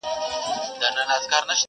• که یاران وي که شراب بس چي زاړه وي,